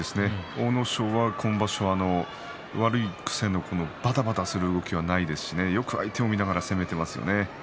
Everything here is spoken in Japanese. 阿武咲は今場所、悪い癖のばたばたする動きがないですしよく相手を見ながら攻めていますね。